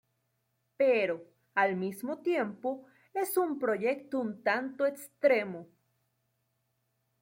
Pero, al mismo tiempo, es un proyecto un tanto extremo".